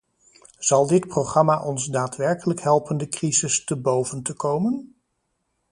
Zal dit programma ons daadwerkelijk helpen de crisis te boven te komen?